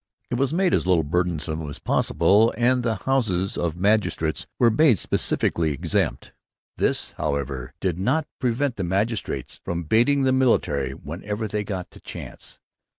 It was made as little burdensome as possible and the houses of magistrates were specially exempt. This, however, did not prevent the magistrates from baiting the military whenever they got the chance.